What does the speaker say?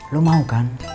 lo mau kan bantuin dia